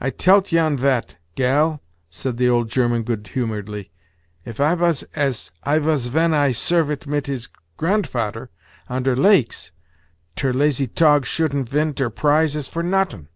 "I telt you vat, gal!" said the old German, good humoredly; "if I vas as I vas ven I servit mit his grand fader on ter lakes, ter lazy tog shouldn't vin ter prize as for nottin'."